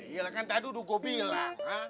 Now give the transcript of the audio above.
iya kan tadi udah gue bilang